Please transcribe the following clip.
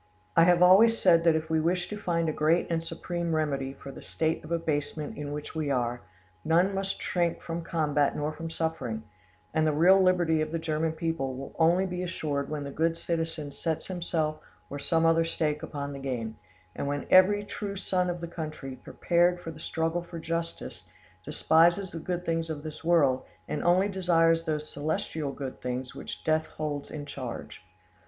"I have always said that if we wish to find a great and supreme remedy for the state of abasement in which we are, none must shrink from combat nor from suffering; and the real liberty of the German people will only be assured when the good citizen sets himself or some other stake upon the game, and when every true son of the country, prepared for the struggle for justice, despises the good things of this world, and only desires those celestial good things which death holds in charge.